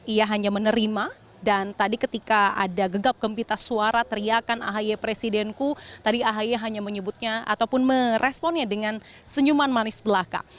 ia hanya menerima dan tadi ketika ada gegap gempita suara teriakan ahy presidenku tadi ahaya hanya menyebutnya ataupun meresponnya dengan senyuman manis belaka